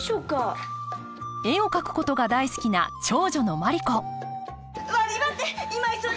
絵を描くことが大好きな長女のマリ子悪いばってん